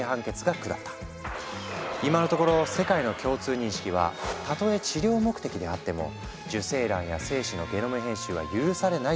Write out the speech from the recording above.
今のところ世界の共通認識は「たとえ治療目的であっても受精卵や精子のゲノム編集は許されない」というもの。